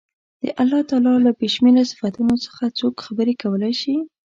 د الله تعالی له بې شمېرو صفتونو څخه څوک خبرې کولای شي.